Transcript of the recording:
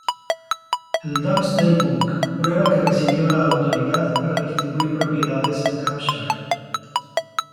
El Domesday Book prueba que recibió la autoridad para distribuir propiedades en Hampshire.